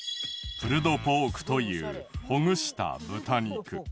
プルドポークというほぐした豚肉。